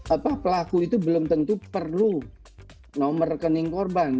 apa pelaku itu belum tentu perlu nomor rekening korban